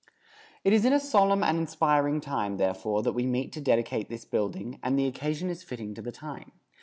It is in a solemn and inspiring time, therefore, that we meet to dedicate this building, and the occasion is fitting to the time.